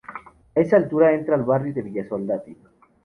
A esa altura entra al barrio de Villa Soldati.